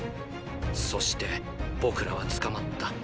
そして僕らは捕まった。